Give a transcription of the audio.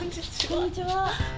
こんにちは